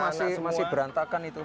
iya itu masih berantakan itu